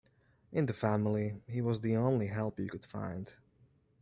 In the family he was the only help you could find.